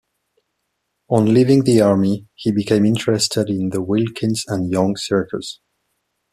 On leaving the army he became interested in the "Wilkins and Young Circus".